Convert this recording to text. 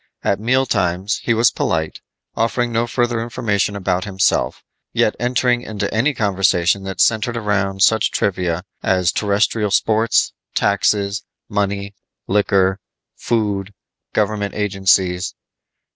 At meal times he was polite, offering no further information about himself, yet entering into any conversation that centered around such trivia as terrestrial sports, taxes, money, liquor, food, government agencies.